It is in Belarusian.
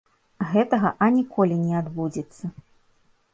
Гэтага аніколі не адбудзецца!